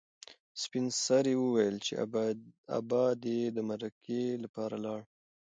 سپین سرې وویل چې ابا دې د مرکې لپاره لاړ.